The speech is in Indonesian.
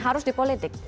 harus di politik